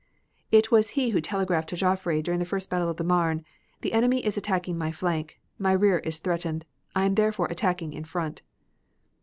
It was he who telegraphed to Joffre during the first battle of the Marne: "The enemy is attacking my flank. My rear is threatened. I am therefore attacking in front."